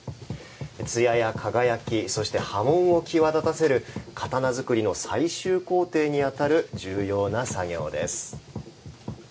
つやや輝きそして刃文を際立たせる刀作りの最終工程にあたる重要な作業です。